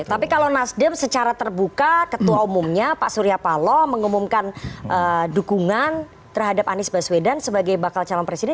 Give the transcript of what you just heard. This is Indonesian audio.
tapi kalau nasdem secara terbuka ketua umumnya pak surya paloh mengumumkan dukungan terhadap anies baswedan sebagai bakal calon presiden